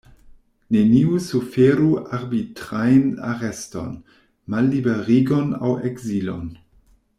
Neniu suferu arbitrajn areston, malliberigon aŭ ekzilon.